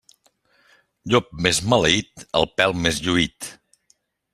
Llop més maleït, el pèl més lluït.